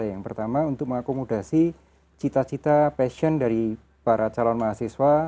yang pertama untuk mengakomodasi cita cita passion dari para calon mahasiswa